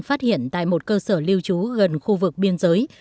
phát hiện tại một cơ sở lưu trú gần khu vực biên giới